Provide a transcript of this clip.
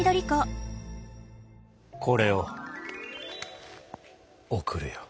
これを贈るよ！